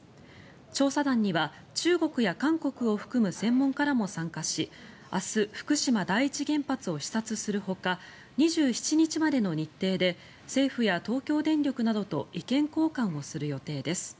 調査団には中国や韓国を含む専門家らも参加し明日、福島第一原発を視察するほか２７日までの日程で政府や東京電力などと意見交換をする予定です。